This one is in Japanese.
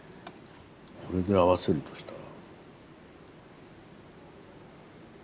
これに合わせるとしたら。